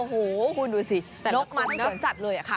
โอ้โหคุณดูสินกมันสวนสัตว์เลยค่ะ